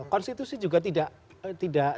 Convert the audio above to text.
konstitusi juga tidak